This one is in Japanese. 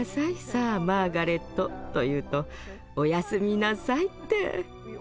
さあマーガレット」と言うと「おやすみなさい」って。